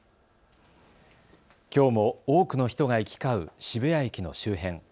きょうも多くの人が行き交う渋谷駅の周辺。